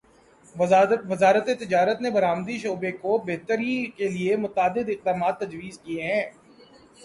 وزارت تجارت نے برآمدی شعبے کو بہتری کیلیے متعدد اقدامات تجویز کیے ہیں